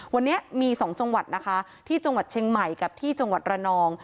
วันนี้มี๒จังหวัดนะคะที่จังหวัดเชียงใหม่กับที่จังหวัดระนอง